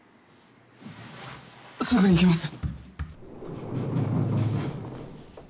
すぐに行きます。